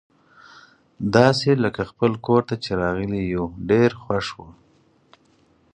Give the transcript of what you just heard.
داسي لکه خپل کور ته چي راغلي یو، ډېر خوښ وو.